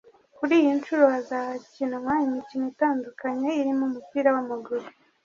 Kuri iyi nshuro hazakinwa imikino itandukanye irimo umupira w’amaguru